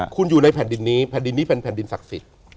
คุณอยู่ในแผ่นดินนี้แผ่นดินนี้เป็นแผ่นดินศักดิ์สิทธิ์